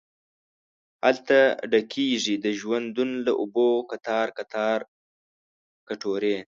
هلته ډکیږې د ژوندون له اوبو کتار، کتار کټوري